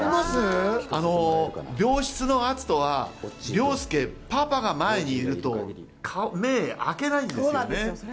病室の篤斗は凌介、パパが前にいると目を開けないんですよ。